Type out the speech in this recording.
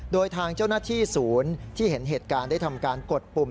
โดยทางเจ้าหน้าที่ศูนย์ที่เห็นเหตุการณ์ได้ทำการกดปุ่ม